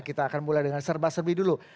kita akan mulai dengan serba serbi dulu